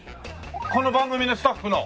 この番組のスタッフの。